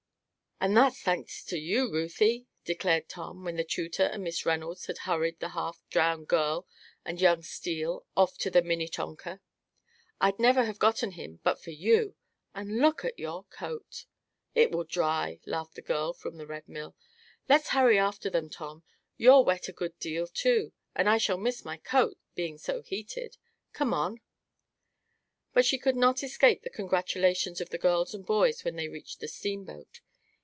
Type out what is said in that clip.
"And that's thanks to you, Ruthie!" declared Tom, when the tutor and Miss Reynolds had hurried the half drowned girl and young Steele off to the Minnetonka. "I'd never have gotten him but for you and look at your coat!" "It will dry," laughed the girl from the Red Mill. "Let's hurry after them, Tom. You're wet a good deal, too and I shall miss my coat, being so heated. Come on!" But she could not escape the congratulations of the girls and boys when they reached the steamboat.